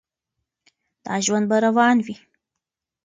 دا ژوند به روان وي.